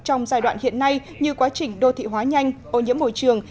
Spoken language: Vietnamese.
trong giai đoạn hiện nay như quá trình đô thị hóa nhanh ô nhiễm môi trường